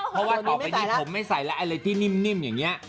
เพราะว่าต่อไปนี้ผมไม่ใส่แล้วอะไรที่นิ่มอย่างนี้